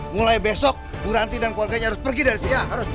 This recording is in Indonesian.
mulai besok bu ranti dan keluarganya harus pergi dari sini